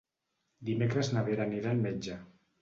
Dimecres na Vera anirà al metge.